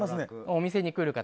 お店に来る方